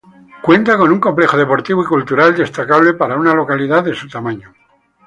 Cuenta con un complejo deportivo y cultural destacable para una localidad de su tamaño.